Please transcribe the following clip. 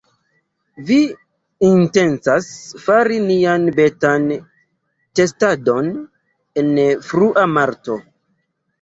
Ni intencas fari nian betan testadon en frua marto